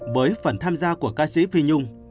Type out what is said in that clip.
với phần tham gia của ca sĩ phi nhung